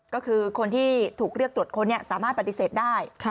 ก็คือคนที่ถูกเรียกตรวจค้นสามารถปฏิเสธได้